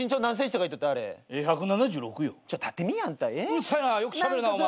うるさいなよくしゃべるなお前。